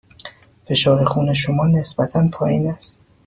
فشار خون شما نسبتاً پایین است.